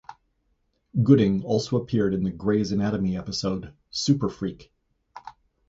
Gooding also appeared in the "Grey's Anatomy" episode "Superfreak".